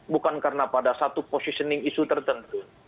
bukan karena pada satu positioning isu tertentu